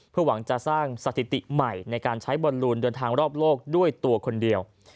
เพื่อหวังจะสร้างสถิติใหม่ในการใช้บอลลูนเดินทางรอบโลกด้วยตัวคนเดียว